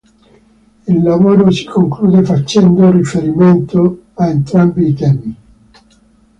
Il lavoro si conclude facendo riferimento a entrambi i temi.